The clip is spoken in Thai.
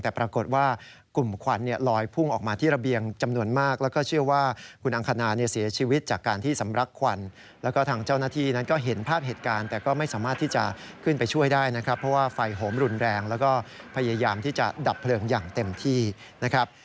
แต่ปรากฏว่ากลุ่มควันเนี่ยลอยพุ่งออกมาที่ระเบียงจำนวนมากแล้วก็เชื่อว่าคุณอังคณาเนี่ยเสียชีวิตจากการที่สำรักควันแล้วก็ทางเจ้าหน้าที่นั้นก็เห็นภาพเหตุการณ์แต่ก็ไม่สามารถที่จะขึ้นไปช่วยได้นะครับเพราะว่าไฟโหมรุนแรงแล้วก็พยายามที่จะดับเพลิงอย่างเต็มที่นะครับ